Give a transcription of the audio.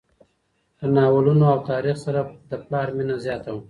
له ناولونو او تاریخ سره د پلار مینه زیاته وه.